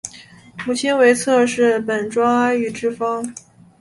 母亲为侧室本庄阿玉之方。